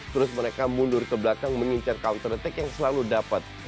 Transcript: terus mereka mundur ke belakang mengincar counter attack yang selalu dapat